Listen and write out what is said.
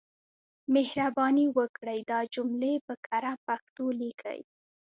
مهرباني وکړئ دا جملې په کره پښتو ليکئ.